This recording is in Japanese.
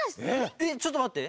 えっちょっとまって。